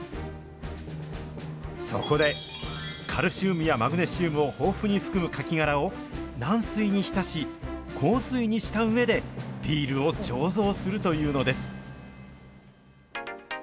そこで、カルシウムやマグネシウムを豊富に含むカキ殻を軟水に浸し、硬水にしたうえでビールを醸造するというのです。